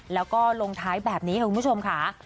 แล้วก็ลงท้ายแบบนี้ค่ะคุณผู้ชมค่ะ